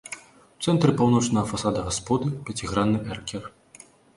У цэнтры паўночнага фасада гасподы пяцігранны эркер.